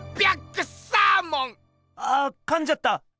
あかんじゃった！